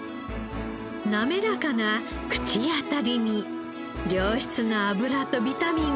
なめらかな口当たりに良質な油とビタミンがたっぷり！